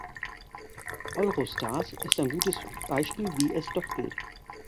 Eurostars ist ein gutes Beispiel, wie es doch geht.